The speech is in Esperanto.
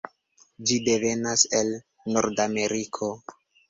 Ĝi devenas el nordameriko.